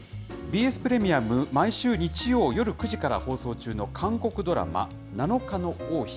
ＢＳプレミアム、毎週日曜夜９時から放送中の韓国ドラマ、七日の王妃。